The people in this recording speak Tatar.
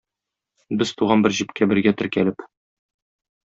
Без туган бер җепкә бергә теркәлеп.